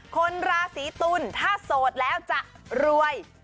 คนราศีตุลถ้าโสดแล้วจะรวย